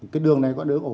cái đường này có đứa ổ